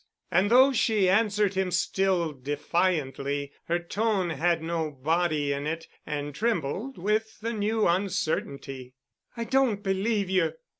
And though she answered him still defiantly, her tone had no body in it and trembled with the new uncertainty. "I don't believe you."